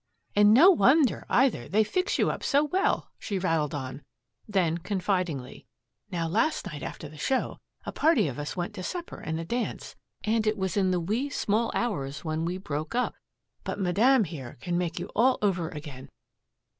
"And no wonder, either; they fix you up so well," she rattled on; then confidingly, "Now, last night after the show a party of us went to supper and a dance and it was in the wee small hours when we broke up. But Madame here can make you all over again.